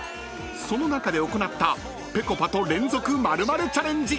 ［その中で行ったぺこぱと連続○○チャレンジ］